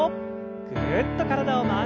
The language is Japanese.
ぐるっと体を回して。